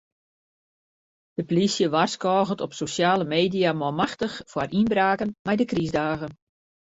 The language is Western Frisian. De polysje warskôget op sosjale media manmachtich foar ynbraken mei de krystdagen.